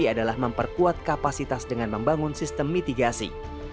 gunung api adalah memperkuat kapasitas dengan membangun sistem mitigasi